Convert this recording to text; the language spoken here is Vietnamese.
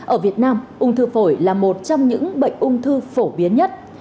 ở việt nam ung thư phổi là một trong những bệnh ung thư phổ biến nhất